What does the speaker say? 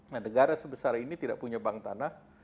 nah negara sebesar ini tidak punya bank tanah